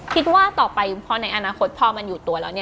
คิดว่าต่อไปพอในอนาคตพอมันอยู่ตัวแล้ว